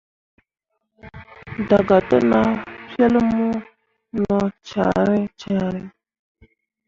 Daga te nah pel mu no cyãhrii cyãhrii.